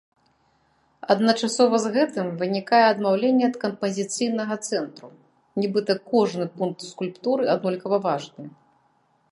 Адначасова з гэтым вынікае адмаўленне ад кампазіцыйнага цэнтру, нібыта кожны пункт скульптуры аднолькава важны.